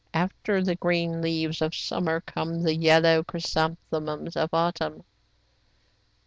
After the green leaves of summer come the yellow chrysanthemums of autumn.